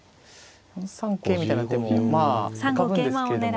４三桂みたいな手もまあ浮かぶんですけど。